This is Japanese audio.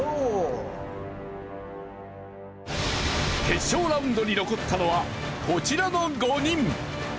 決勝ラウンドに残ったのはこちらの５人。